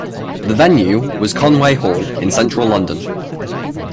The venue was Conway Hall in central London.